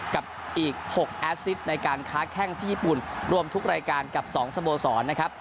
กับอีก๖แอสซิตในการค้าแข้งที่ญี่ปุ่นรวมทุกรายการกับ๒สโมสรนะครับ